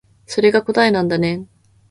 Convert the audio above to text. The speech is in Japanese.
それが答えなんだね